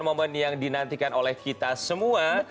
momen yang dinantikan oleh kita semua